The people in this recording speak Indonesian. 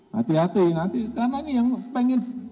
hati hati nanti karena ini yang pengen